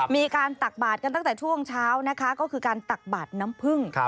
ตักบาดกันตั้งแต่ช่วงเช้านะคะก็คือการตักบาดน้ำพึ่ง